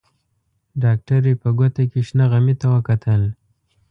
ډاکټرې په ګوته کې شنه غمي ته وکتل.